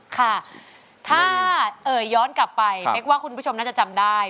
ค่ะถ้าเอ่ยย้อนกลับไปเป๊กว่าคุณผู้ชมน่าจะจำได้